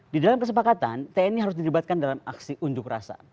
di dalam kesepakatan tni harus dilibatkan dalam aksi unjuk rasa